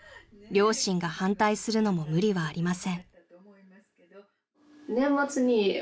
［両親が反対するのも無理はありません］